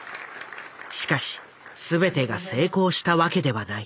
しかし全てが成功したわけではない。